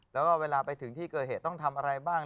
แล้วก็เวลาไปถึงที่เกิดเหตุต้องทำอะไรบ้าง